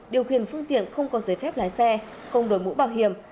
điều khiển phương tiện không có giấy phép lái xe không đổi mũ bảo hiểm